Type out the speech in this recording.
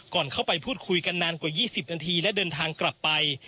ก่อนเข้าไปพูดคุยกันนานกว่า๒๐นาทีและเดินทางกลับไป